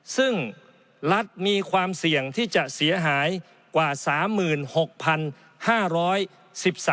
ซึ่งรัฐมีความเสี่ยงที่จะเสียหายกว่า๓๖๕๑๓